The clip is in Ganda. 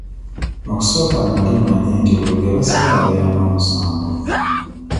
Mu kusooka nali mmanyi nti buli gwe basiba abeera n'omusango.